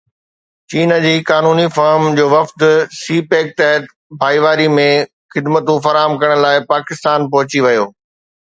چين جي قانوني فرم جو وفد سي پيڪ تحت ڀائيواري ۾ خدمتون فراهم ڪرڻ لاءِ پاڪستان پهچي ويو